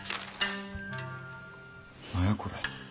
何やこれ。